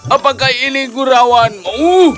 apakah ini gurauanmu